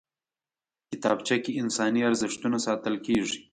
کتابچه کې انساني ارزښتونه ساتل کېږي